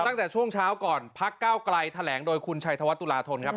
ตั้งแต่ช่วงเช้าก่อนพักเก้าไกลแถลงโดยคุณชัยธวัตุลาธนครับ